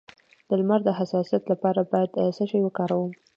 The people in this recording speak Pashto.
د لمر د حساسیت لپاره باید څه شی وکاروم؟